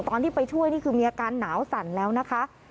ตอนที่ไปช่วยนี่คือมีอาการหนาวสั่นแล้วนะคะ